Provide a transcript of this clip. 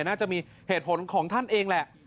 น่าจะมีเหตุผลของท่านเองแหละ